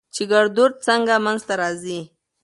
چې ګړدود څنګه منځ ته راځي؟